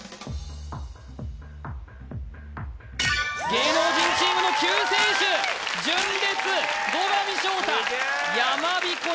芸能人チームの救世主純烈後上翔太やまびこ